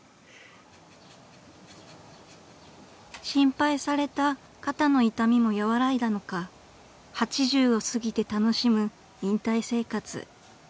［心配された肩の痛みも和らいだのか８０を過ぎて楽しむ引退生活］